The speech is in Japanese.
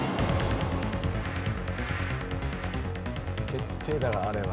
決定打だあれは。